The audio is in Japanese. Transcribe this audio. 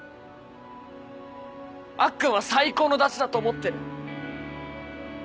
アッくんは最高のダチだと思ってる。